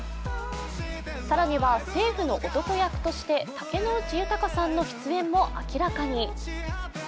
更には政府の男役として竹野内豊さんの出演も明らかに。